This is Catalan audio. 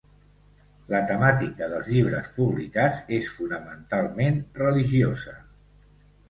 La temàtica dels llibres publicats és fonamentalment religiosa.